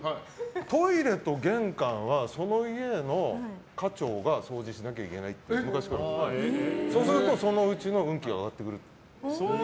トイレと玄関はその家の家長が掃除しなきゃいけないって昔から言われててそうするとその家の運気が上がってくる。